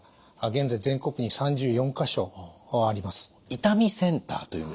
今痛みセンターというんですね。